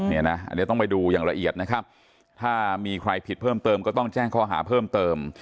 อันนี้ต้องไปดูอย่างละเอียดนะครับถ้ามีใครผิดเพิ่มเติมก็ต้องแจ้งข้อหาเพิ่มเติม